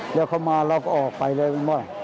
เลี่ยวเข้ามาเราก็ออกไปเลย